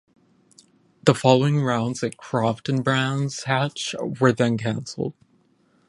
The following rounds at Croft and Brands Hatch were then cancelled.